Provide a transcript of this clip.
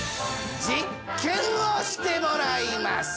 実験をしてもらいます！